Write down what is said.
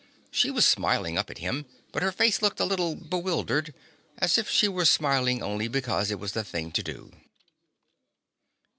She was smiling up at him, but her face looked a little bewildered, as if she were smiling only because it was the thing to do.